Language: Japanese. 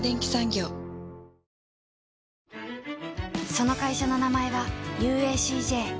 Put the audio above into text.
その会社の名前は ＵＡＣＪ